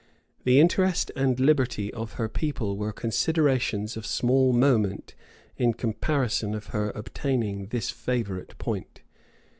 The interest and liberty of her people were considerations of small moment in comparison of her obtaining this favorite point.